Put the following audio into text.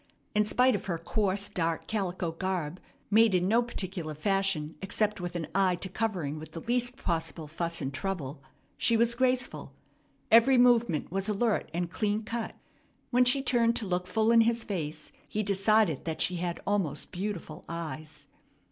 In spite of her coarse, dark calico garb, made in no particular fashion except with an eye to covering with the least possible fuss and trouble, she was graceful. Every movement was alert and clean cut. When she turned to look full in his face, he decided that she had almost beautiful eyes.